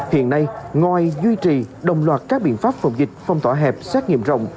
hiện nay ngoài duy trì đồng loạt các biện pháp phòng dịch phong tỏa hẹp xét nghiệm rộng